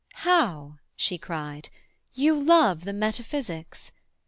'How,' she cried, 'you love The metaphysics!